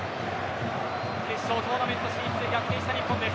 決勝トーナメント進出へ逆転した日本です。